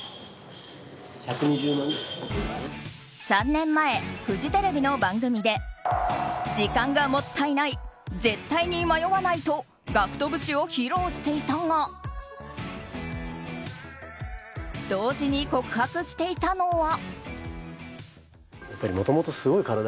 ３年前、フジテレビの番組で時間がもったいない絶対に迷わないとＧＡＣＫＴ節を披露していたが同時に告白していたのは。